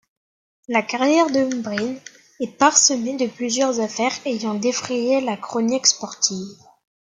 La carrière de Breen est parsemée de plusieurs affaires ayant défrayé la chronique sportive.